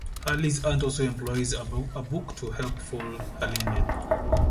Harley's aunt also employs a book to help fold her linen.